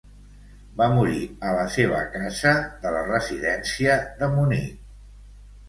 Va morir a la seva casa de la Residència de Munic.